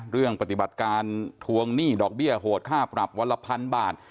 เรื่องปฏิบัติการทวงหนี้ดอกเบี้ยโหดค่าปรับวันละพันบาท